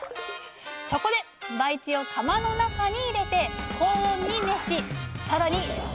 そこで培地を釜の中に入れて高温に熱しさらに圧力をかけて殺菌。